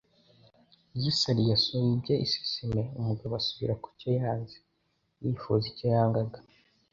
Iyo isari yasumbye iseseme, umugabo asubira kucyo yanze (yifuza icyo yangaga)